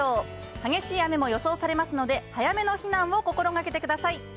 激しい雨も予想されますので、早めの避難を心がけてください。